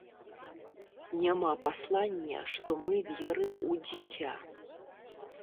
Няма паслання, што мы верым у дзіця.